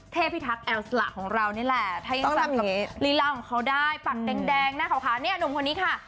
เทพภิทักษ์แอลซ์ละของเรานี่แหละถ้ายังสั่งกับรีลาของเขาได้ปากแดงหนุ่มคนนี้ค่ะ